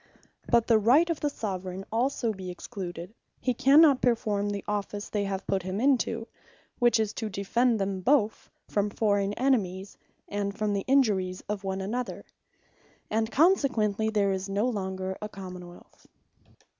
But if the Right of the Soveraign also be excluded, he cannot performe the office they have put him into; which is, to defend them both from forraign enemies, and from the injuries of one another; and consequently there is no longer a Common wealth.